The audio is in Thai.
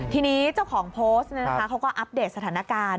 ทีนี้เจ้าของโพสต์เขาก็อัปเดตสถานการณ์